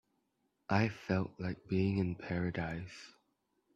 I felt like being in paradise.